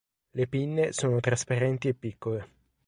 Le pinne sono trasparenti e piccole.